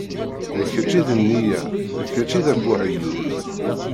D kečč i d nniya, d kečč i d abuheyyuf.